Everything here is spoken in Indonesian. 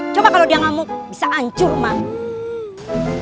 coba kalau dia ngamuk bisa ancur man